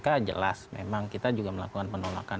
kpk jelas memang kita juga melakukan penolakan